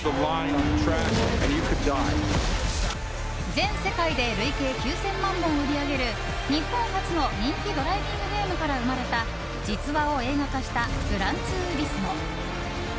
全世界で累計９０００万本を売り上げる日本発の人気ドライビングゲームから生まれた実話を映画化した「グランツーリスモ」。